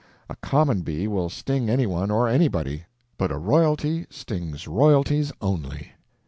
A common bee will sting any one or anybody, but a royalty stings royalties only.